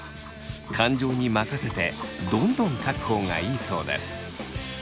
感情に任せてどんどん書く方がいいそうです。